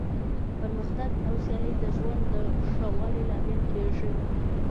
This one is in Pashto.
پرمختګ او سیالي د ژوند د ښه والي لامل کیږي.